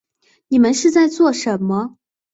你们是在做什么